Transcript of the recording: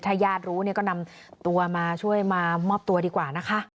ถ้าญาติรู้เนี่ยก็นำตัวมาช่วยมามอบตัวดีกว่านะคะ